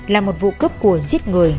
là một vụ cướp của giết người